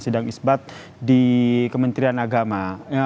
sidang isbat di kementerian agama